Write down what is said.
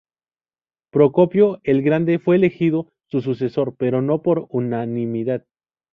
Procopio el Grande fue elegido su sucesor, pero no por unanimidad.